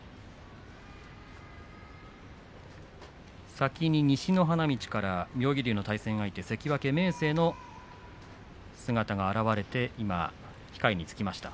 先に西の花道から妙義龍の対戦相手関脇明生の姿が現れて今、控えにつきました。